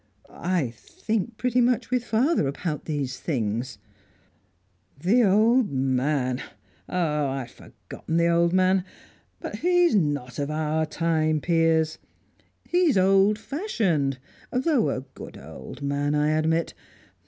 "I think pretty much with father about these things." "The old man! Oh, I'd forgotten the old man. But he's not of our time, Piers; he's old fashioned, though a good old man, I admit.